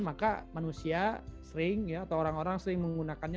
maka manusia sering atau orang orang sering menggunakannya